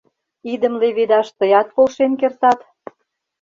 Идым леведаш тыят полшен кертат...